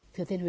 thưa thành huế